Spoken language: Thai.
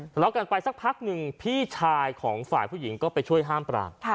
ทะเลาะกันไปสักพักหนึ่งพี่ชายของฝ่ายผู้หญิงก็ไปช่วยห้ามปราม